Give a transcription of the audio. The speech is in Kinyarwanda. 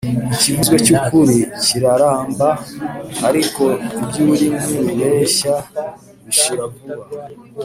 ikivuzwe cy’ukuri kiraramba, ariko iby’ururimi rubeshya bishira vuba